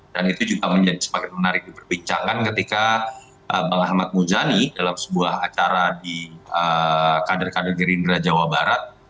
dan itu juga menjadi semakin menarik diperbincangkan ketika bang ahmad muzani dalam sebuah acara di kader kader gerindra jawa barat